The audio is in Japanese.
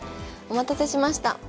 お待たせしました。